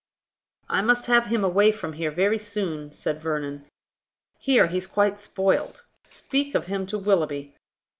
"I must have him away from here very soon," said Vernon. "Here he's quite spoiled. Speak of him to Willoughby.